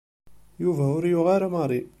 Yuba ur yuɣ ara Mary.